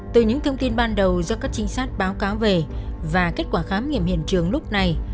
từ những thông tin ban đầu do các trinh sát báo cáo về và kết quả khám nghiệm hiện trường lúc này